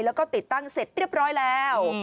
แล้วก็ติดตั้งเสร็จเรียบร้อยแล้ว